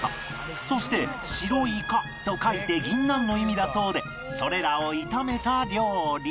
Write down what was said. そして「白い果」と書いて銀杏の意味だそうでそれらを炒めた料理